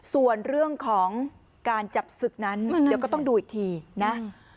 ส่วนเรื่องของการจับศึกนั้นเดี๋ยวก็ต้องดูอีกทีนะ